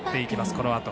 このあと。